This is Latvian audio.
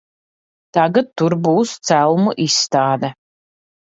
Tagad tur būs celmu izstāde.